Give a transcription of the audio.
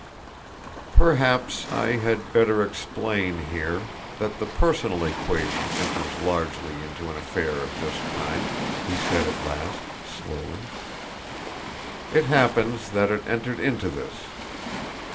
"Perhaps I had better explain here that the personal equation enters largely into an affair of this kind," he said at last, slowly. "It happens that it entered into this.